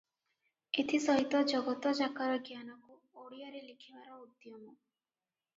ଏଥି ସହିତ ଜଗତଯାକର ଜ୍ଞାନକୁ ଓଡ଼ିଆରେ ଲେଖିବାର ଉଦ୍ୟମ ।